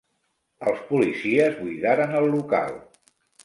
Els policies buidaren el local.